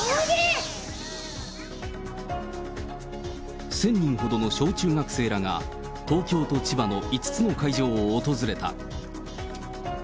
１０００人ほどの小中学生らが、東京と千葉の５つの会場を訪れた。